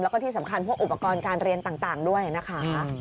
แล้วก็ที่สำคัญพวกอุปกรณ์การเรียนต่างด้วยนะคะ